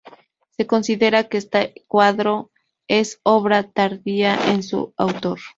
Se considera que este cuadro es obra tardía de su autor.